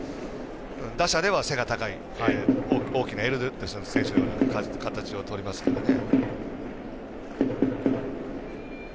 打者では背が高い、大きなエルドレッド選手とかの形をとりますけどね。